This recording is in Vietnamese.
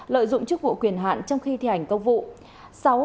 lợi dụng chức vụ quyền hạn trong khi thi hành công vụ